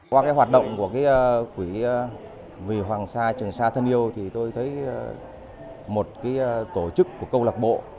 qua cái hoạt động của quỹ vì hoàng sa trường sa thân yêu thì tôi thấy một tổ chức của câu lạc bộ